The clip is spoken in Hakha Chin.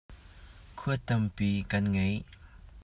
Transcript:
Khuat tampi kan ngei.